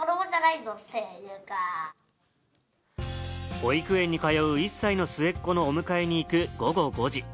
保育園に通う１歳の末っ子のお迎えに行く午後５時。